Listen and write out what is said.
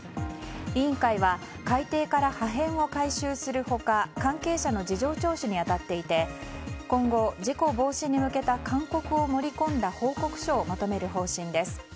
委員会は海底から破片を回収する他関係者の事情聴取に当たっていて今後、事故防止に向けた勧告を盛り込んだ報告書をまとめる方針です。